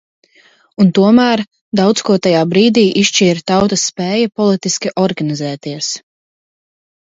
Un tomēr daudz ko tajā brīdī izšķīra tautas spēja politiski organizēties.